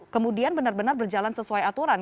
kemudian benar benar berjalan sesuai aturan